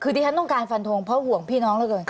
คือดิฉันต้องการฟันโทงเพราะห่วงพี่น้องแล้วกัน